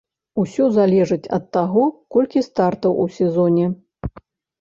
Усё залежыць ад таго, колькі стартаў у сезоне.